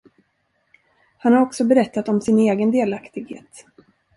Han har också berättat om sin egen delaktighet.